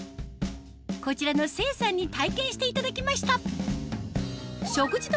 こちらの清さんに体験していただきましたした結果が？